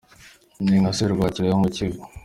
Ni nka Serwakira yo mu Kivu.